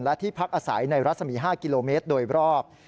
และที่พักอาศัยในรัศมี๕กิโลเมตรโดยรอบ